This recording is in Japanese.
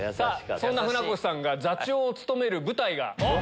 そんな船越さんが座長を務める舞台。